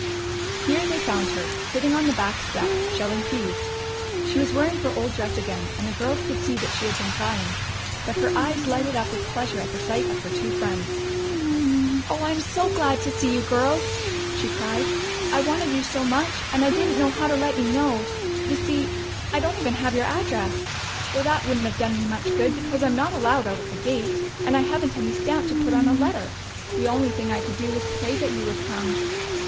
Here they found her, sitting on the back step, shelling peas. She was wearing her old dress again, and the girls could see that she had been crying. But her eyes lighted up with pleasure at the sight of her two friends. "Oh, I'm so glad to see you girls!" she cried. "I wanted you so much, and I didn't know how to let you know. You see, I don't even have your address though that wouldn't have done me much good, because I'm not allowed out of the gate, and I haven't any stamp to put on a letter. The only thing I could do was pray that you would come!"